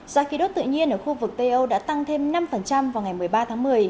giá khí đốt tự nhiên ở khu vực tây âu đã tăng thêm năm vào ngày một mươi ba tháng một mươi